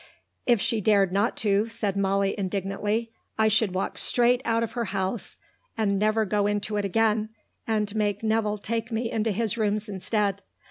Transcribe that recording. "If she dared not to," said Molly indignantly, "I should walk straight out of her house and never go into it again, and make Nevill take me into his rooms instead.